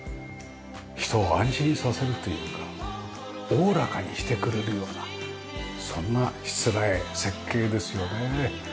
人を安心させるというかおおらかにしてくれるようなそんな設え設計ですよね。